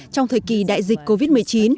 trong thời kỳ đại dịch covid một mươi chín